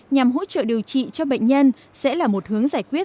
nhằm hỗ trợ điều trị cho bệnh nhân sẽ là một hướng giải quyết